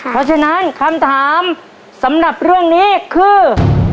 เพราะฉะนั้นคำถามสำหรับเรื่องนี้คือ